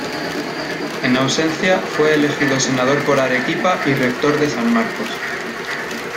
En ausencia fue elegido senador por Arequipa y rector de San Marcos.